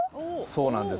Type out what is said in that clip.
そうなんです。